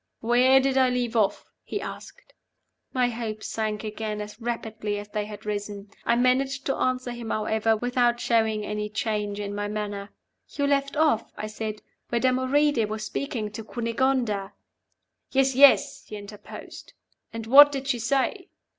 "Where did I leave off?" he asked. My hopes sank again as rapidly as they had risen. I managed to answer him, however, without showing any change in my manner. "You left off," I said, "where Damoride was speaking to Cunegonda " "Yes, yes!" he interposed. "And what did she say?"